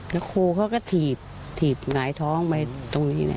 แล้วครูเขาก็ถีบถีบหงายท้องไปตรงนี้